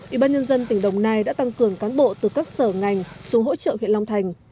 ủy ban nhân dân tỉnh đồng nai đã tăng cường tỉnh đồng nai